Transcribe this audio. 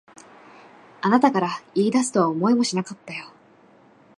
あなたから言い出すとは思いもしなかったよ。